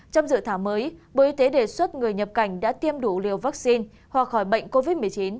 trong dự thảo mới bộ y tế đề xuất người nhập cảnh đã tiêm đủ liều vaccine hoặc khỏi bệnh covid một mươi chín